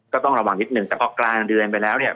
ก็ต้องระวังนิดนึงแต่พอกลางเดือนไปแล้วเนี่ย